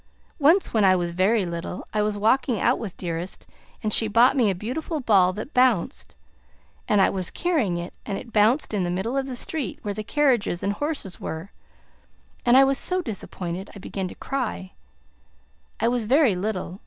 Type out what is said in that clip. Once when I was very little, I was walking out with Dearest, and she bought me a beautiful ball that bounced, and I was carrying it and it bounced into the middle of the street where the carriages and horses were, and I was so disappointed, I began to cry I was very little.